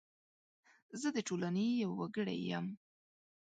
زه د ټولنې یو وګړی یم .